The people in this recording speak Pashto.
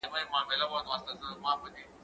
زه له سهاره لوبه کوم!.